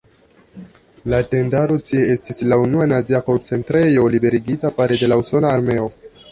La tendaro tie estis la unua nazia koncentrejo liberigita fare de la usona armeo.